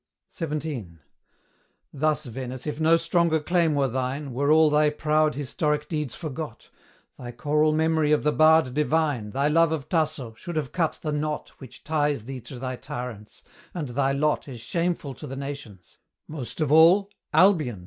XVII. Thus, Venice, if no stronger claim were thine, Were all thy proud historic deeds forgot, Thy choral memory of the bard divine, Thy love of Tasso, should have cut the knot Which ties thee to thy tyrants; and thy lot Is shameful to the nations, most of all, Albion!